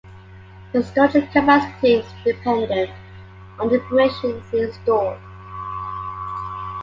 The storage capacity is dependent on the information being stored.